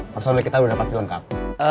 personel kita udah pasti lengkap